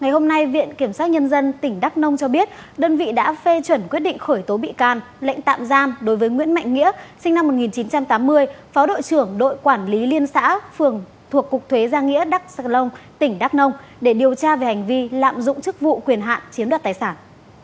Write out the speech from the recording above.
ngày hôm nay viện kiểm sát nhân dân tỉnh đắk nông cho biết đơn vị đã phê chuẩn quyết định khởi tố bị can lệnh tạm giam đối với nguyễn mạnh nghĩa sinh năm một nghìn chín trăm tám mươi phó đội trưởng đội quản lý liên xã phường thuộc cục thuế gia nghĩa đắc long tỉnh đắk nông để điều tra về hành vi lạm dụng chức vụ quyền hạn chiếm đoạt tài sản